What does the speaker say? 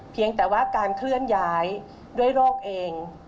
เพียงแต่ว่าการเคลื่อนย้ายด้วยโรคเอง